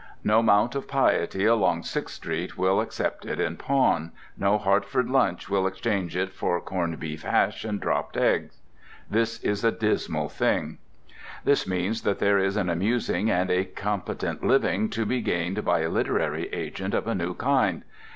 No mount of piety along Sixth Avenue will accept it in pawn, no Hartford Lunch will exchange it for corned beef hash and dropped egg. This is a dismal thing. This means that there is an amusing and a competent living to be gained by a literary agent of a new kind.